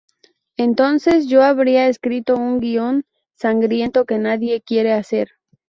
Entonces yo habría escrito un guion sangriento que nadie quiere hacer.